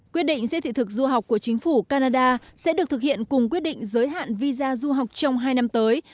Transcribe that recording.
quyết định xếp thị thực du học của chính phủ canada sẽ được thực hiện cùng quyết định giới hạn visa du học trong hai năm tới